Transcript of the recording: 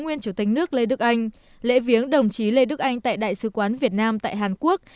nguyên chủ tịch nước lê đức anh lễ viếng đồng chí lê đức anh tại đại sứ quán việt nam tại hàn quốc